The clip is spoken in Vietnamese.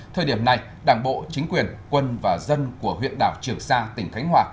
thời điểm này đảng bộ chính quyền quân và dân của huyện đảo trường sa tỉnh khánh hòa